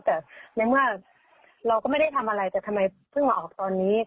แต่ในเมื่อเราก็ไม่ได้ทำอะไรแต่ทำไมเพิ่งมาออกตอนนี้